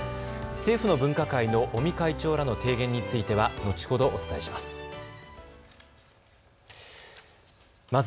政府の分科会の尾身会長らの提言については後ほどお伝えします。